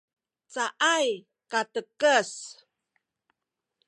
caay katekes